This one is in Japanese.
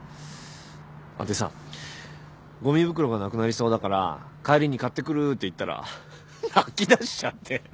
でさごみ袋がなくなりそうだから帰りに買ってくるって言ったら泣きだしちゃって。